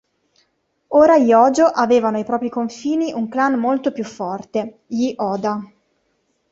Ora gli Hōjō avevano ai propri confini un clan molto più forte, gli Oda.